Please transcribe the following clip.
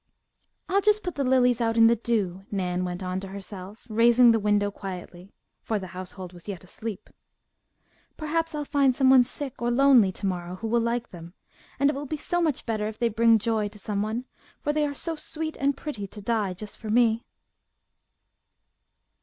"I'll just put the lilies out in the dew," Nan went on to herself, raising the window quietly, for the household was yet asleep. "Perhaps I'll find someone sick or lonely to morrow who will like them, and it will be so much better if they bring joy to someone, for they are so sweet and pretty to die just for me."